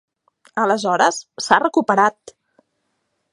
Aleshores, s'ha recuperat!